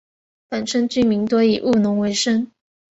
本村居民多以务农为生。